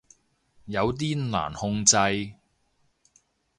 有啲難控制